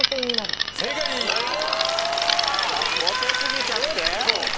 モテ過ぎちゃって？